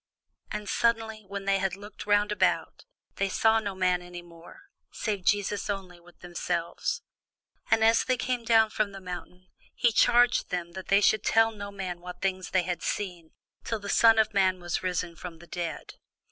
And suddenly, when they had looked round about, they saw no man any more, save Jesus only with themselves. And as they came down from the mountain, he charged them that they should tell no man what things they had seen, till the Son of man were risen from the dead.